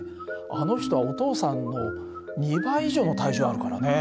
あの人はお父さんの２倍以上の体重あるからね。